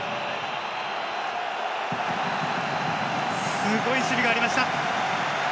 すごい守備がありました。